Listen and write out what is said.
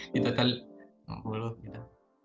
di total lima puluh gitu